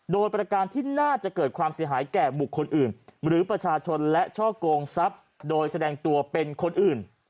โดยประการที่น่าจะเกิดความเสียหายแก่บุคคลอื่นหรือประชาชนและช่อกงทรัพย์โดยแสดงตัวเป็นคนอื่น